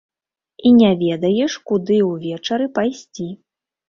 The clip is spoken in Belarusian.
І не ведаеш, куды ўвечары пайсці.